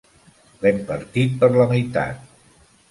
L'hem partit per la meitat.